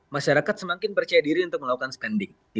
masyarakat semakin percaya diri untuk melakukan spending